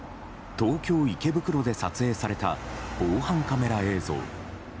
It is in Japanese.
東京・池袋で撮影された防犯カメラ映像。